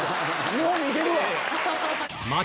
日本にいてるわ！